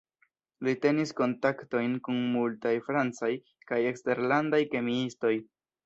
Li tenis kontaktojn kun multaj francaj kaj eksterlandaj kemiistoj.